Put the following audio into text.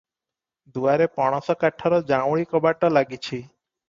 ଦୁଆରେ ପଣସ କାଠର ଯାଉଁଳି କବାଟ ଲାଗିଛି ।